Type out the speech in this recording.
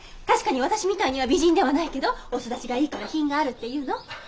確かに私みたいには美人ではないけどお育ちがいいから品があるっていうの？